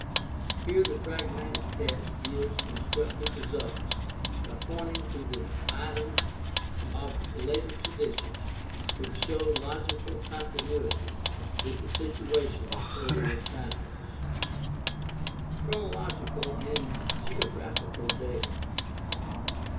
Here the pragmatic test yields constructive results by pointing to items of later tra dition which show logical continuity with the situation of earlier times. Chronological and geographical data.